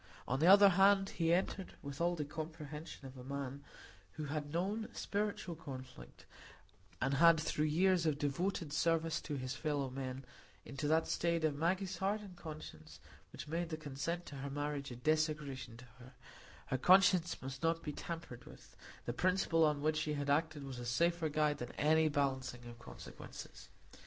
On the other hand, he entered with all the comprehension of a man who had known spiritual conflict, and lived through years of devoted service to his fellow men, into that state of Maggie's heart and conscience which made the consent to the marriage a desecration to her; her conscience must not be tampered with; the principle on which she had acted was a safer guide than any balancing of consequences.